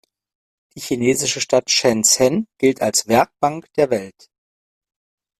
Die chinesische Stadt Shenzhen gilt als „Werkbank der Welt“.